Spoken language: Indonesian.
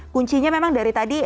kuncinya memang dari tadi